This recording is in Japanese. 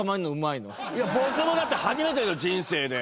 いや僕もだって初めてですよ人生で。